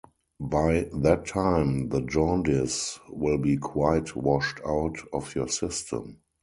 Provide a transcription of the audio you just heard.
By that time the jaundice will be quite washed out of your system.